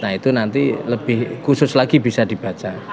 nah itu nanti lebih khusus lagi bisa dibaca